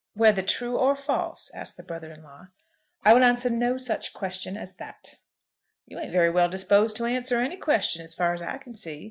"Whether true or false?" asked the brother in law. "I will answer no such question as that." "You ain't very well disposed to answer any question, as far as I can see.